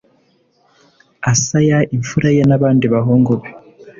asaya imfura ye n abandi bahungu be